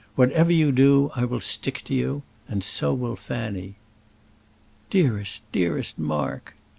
Whatever you do I will stick to you; and so will Fanny." "Dearest, dearest Mark!"